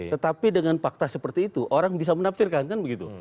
tetapi dengan fakta seperti itu orang bisa menafsirkan kan begitu